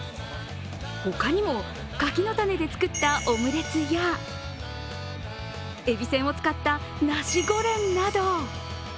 他にも、柿の種で作ったオムレツやえびせんを使ったナシゴレンなど。